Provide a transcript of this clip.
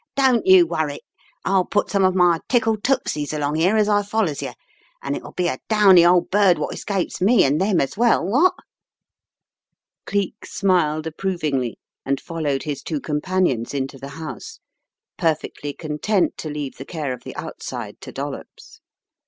Don't you worrit; I'll put some of my 'tickle toot sies' along here as I follows yer, an' it'll be a downy old bird wot escapes me and them as well; wot?" <<<< The House with the Shuttered Windows 107 Cleek smiled approvingly and followed his two companions into the house, perfectly content to leave the care of the outside to Dollops.